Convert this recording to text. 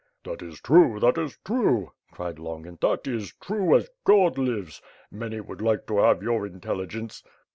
"That is true; that is true;" cried Longin, "that is true, as God lives! Many would like to have youx intelligence."